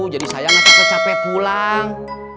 jadi sayang aku capek pulang